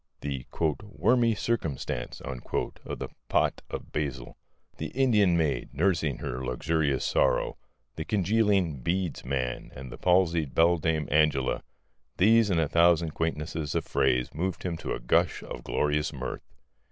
The "wormy circumstance" of the Pot of Basil, the Indian Maid nursing her luxurious sorrow, the congealing Beads man and the palsied beldame Angela these and a thousand quaintnesses of phrase moved him to a gush of glorious mirth.